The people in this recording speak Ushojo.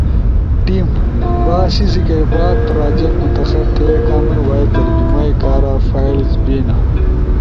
ٹیم۔ با سیسی کے بعد پراجیکٹ منتخب تھے۔ کامن وائس ترجمائی کارا فائلز بینا۔